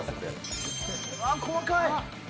細かい。